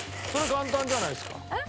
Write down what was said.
簡単じゃないですか。